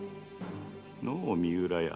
のう三浦屋？